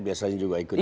biasanya juga ikut juga